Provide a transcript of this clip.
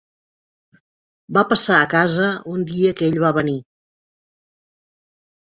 Va passar a casa un dia que ell va venir.